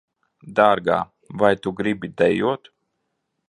Dārgā, vai tu gribi dejot?